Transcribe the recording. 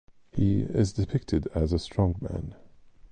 He is depicted as a strong man.